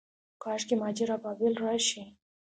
کاشکي مهاجر ابابیل راشي